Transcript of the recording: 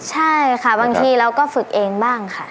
ใช่ค่ะบางทีเราก็ฝึกเองบ้างค่ะ